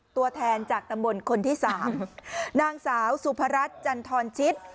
ตัวแทนจากตำบลคนที่สามนางสาวสุพรัชจันทรชิต